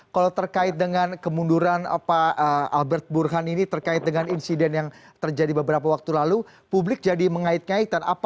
kalau terkait dengan kemunduran pak albert burhan ini terkait dengan insiden yang terjadi beberapa waktu lalu publik jadi mengait ngaitan